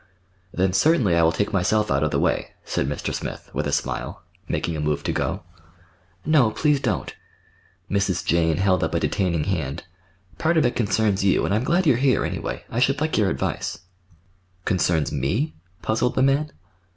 "Then certainly I will take myself out of the way," said Mr. Smith, with a smile, making a move to go. "No, please don't." Mrs. Jane held up a detaining hand. "Part of it concerns you, and I'm glad you're here, anyway. I should like your advice." "Concerns me?" puzzled the man.